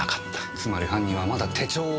つまり犯人はまだ手帳を持ってる！